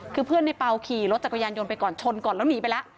คือเพื่อนในเปล่าขี่รถจักรยานยนต์ไปก่อนชนก่อนแล้วหนีไปแล้ว